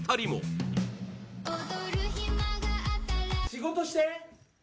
仕事して！